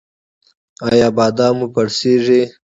ایا بادام مو پړسیږي؟